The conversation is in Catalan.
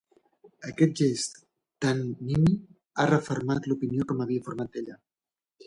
Aquest gest tan nimi ha refermat l'opinió que m'havia format d'ella.